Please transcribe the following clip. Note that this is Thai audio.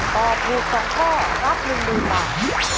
ตอบถูก๒ข้อรับ๑ดูต่าง